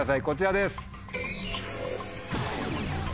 こちらです。